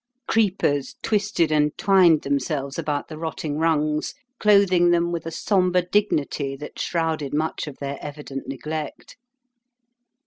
Creepers twisted and twined themselves about the rotting rungs, clothing them with a sombre dignity that shrouded much of their evident neglect.